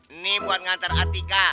ini buat ngantar atika